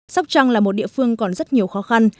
sóc trăng là một địa phương còn rất nhiều khó khăn